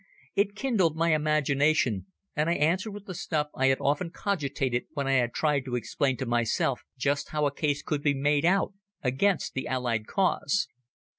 It kindled my imagination, and I answered with the stuff I had often cogitated when I had tried to explain to myself just how a case could be made out against the Allied cause.